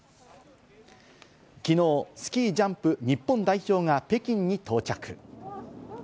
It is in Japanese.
昨日、スキージャンプ日本代表が北京に到着。